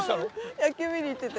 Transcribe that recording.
野球見に行ってて。